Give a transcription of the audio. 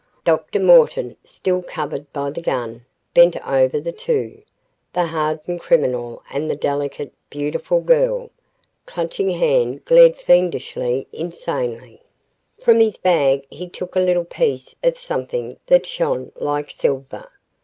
Dr. Morton, still covered by the gun, bent over the two, the hardened criminal and the delicate, beautiful girl. Clutching Hand glared fiendishly, insanely. From his bag he took a little piece of something that shone like silver.